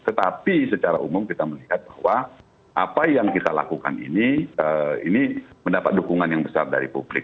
tetapi secara umum kita melihat bahwa apa yang kita lakukan ini ini mendapat dukungan yang besar dari publik